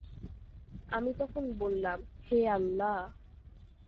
আমি তখন বললাম, হে আল্লাহ!